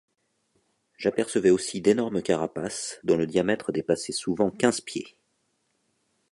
J’apercevais aussi d’énormes carapaces dont le diamètre dépassait souvent quinze pieds.